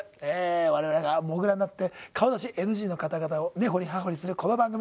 我々がモグラになって顔出しＮＧの方々を根掘り葉掘りするこの番組。